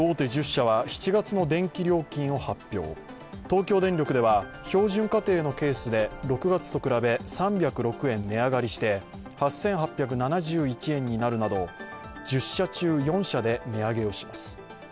東京電力では標準家庭のケースで６月と比べ３０６円値上がりして８８７１円になるなど１０社中、４社で値上げをします。